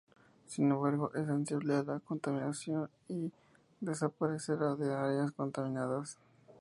Sin embargo, es sensible a la contaminación, y desaparecerá de áreas contaminadas.